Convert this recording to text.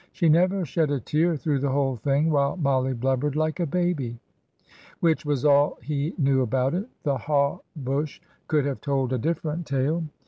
She never shed a tear through the whole thing, while Mollie blubbered like a baby." Which was all he knew about it. The haw bush could have told a different tale.